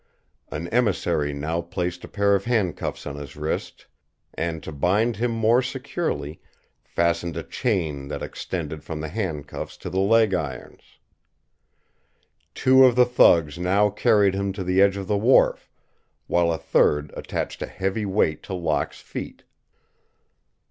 An emissary now placed a pair of handcuffs on his wrists and, to bind him more securely, fastened a chain that extended from the handcuffs to the leg irons. Two of the thugs now carried him to the edge of the wharf, while a third attached a heavy weight to Locke's feet.